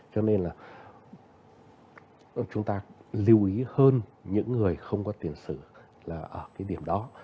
cho nên là chúng ta lưu ý hơn những người không có tiền sử là ở cái điểm đó